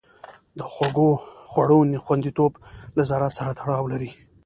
د خوړو خوندیتوب له زراعت سره تړاو لري.